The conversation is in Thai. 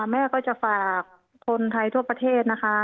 แม่ก็จะฝากคนไทยทั่วประเทศนะคะ